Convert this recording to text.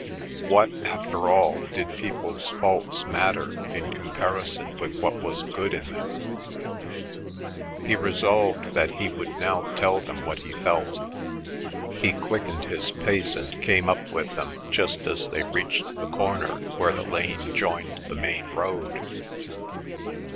What, after all, did people's faults matter in comparison with what was good in them? He resolved that he would now tell them what he felt. He quickened his pace and came up with them just as they reached the corner where the lane joined the main road.